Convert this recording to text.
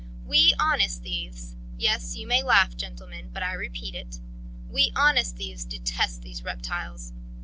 We, honest thieves... Yes, you may laugh, gentlemen, but I repeat it: we honest thieves detest these reptiles.